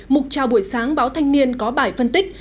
mục trao buổi sáng báo thanh niên có bài phân tích